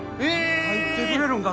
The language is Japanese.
入ってくれるんか？